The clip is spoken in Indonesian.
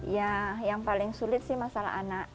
ya yang paling sulit sih masalah anak